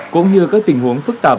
cũng như các tình huống phức tạp